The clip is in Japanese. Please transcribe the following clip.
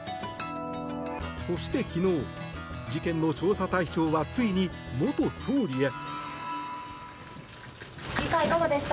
そして昨日、事件の捜査対象はついに森元総理へ。